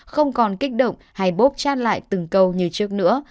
không còn kích động hay bốp chat lại từng câu như trước nữa